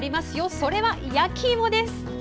それは焼きいもです。